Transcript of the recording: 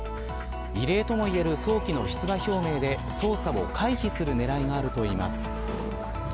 異例ともいえる早期の出馬表明で捜査を回避する狙いがあるといいます。